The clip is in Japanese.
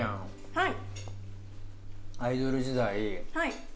はい。